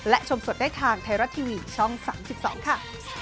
และชมสดได้ทางไทยรัฐทีวีช่อง๓๒ค่ะ